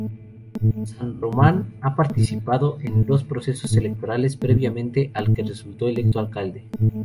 San Román ha participado en dos procesos electorales previamente al que resultó electo Alcalde.